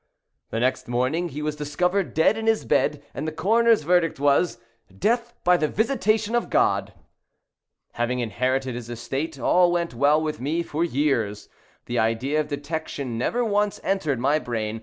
The next morning he was discovered dead in his bed, and the coroner's verdict was—"Death by the visitation of God." Having inherited his estate, all went well with me for years. The idea of detection never once entered my brain.